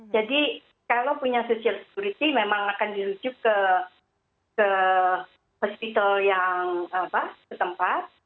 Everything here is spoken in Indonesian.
jadi kalau punya social security memang akan dirujuk ke hospital yang apa ketempat